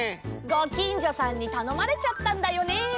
ごきんじょさんにたのまれちゃったんだよね。